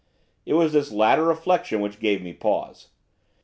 It was this latter reflection which gave me pause.